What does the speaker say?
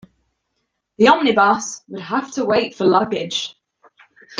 The omnibus would have to wait for luggage.